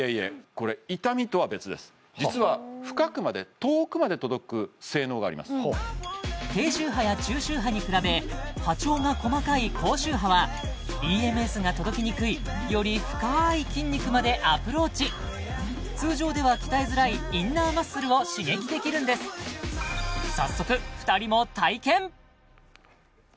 これ実は低周波や中周波に比べ波長が細かい高周波はＥＭＳが届きにくいより深い筋肉までアプローチ通常では鍛えづらいインナーマッスルを刺激できるんです早速２人も体験！